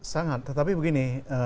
sangat tetapi begini